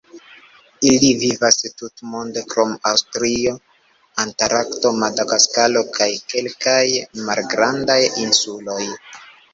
Ili vivas tutmonde krom Aŭstralio, Antarkto, Madagaskaro kaj kelkaj malgrandaj insuloj.